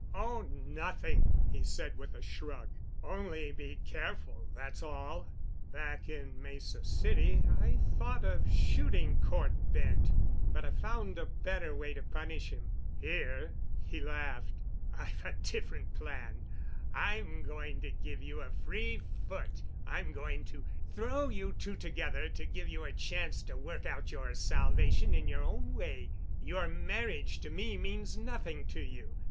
"Oh, nothing," he said with a shrug. "Only be careful, that's all. Back in Mesa City I thought of shooting Cort Bent, but I found a better way to punish him. Here"—he laughed—"I've a different plan. I'm going to give you a free foot. I'm going to throw you two together—to give you a chance to work out your salvation in your own way. Your marriage to me means nothing to you.